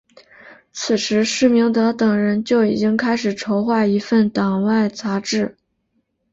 此时施明德等人就已经开始筹划一份党外杂志。